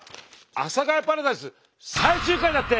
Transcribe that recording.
「阿佐ヶ谷パラダイス」最終回だって！